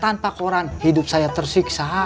tanpa koran hidup saya tersiksa